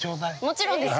◆もちろんです。